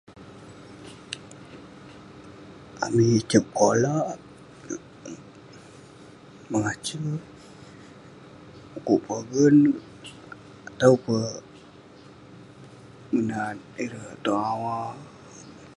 Amik sep kola, mengase..mukuk pogen, atau peh..menat ireh tong awa..